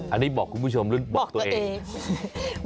อันนี้บอกคุณผู้ชมหรือบอกตัวเอง